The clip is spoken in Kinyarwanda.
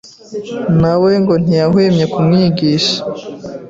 na we ngo ntiyahwemye kumwigisha